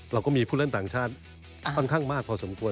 เราก็มีผู้เล่นต่างชาติประกันมากพอสมควร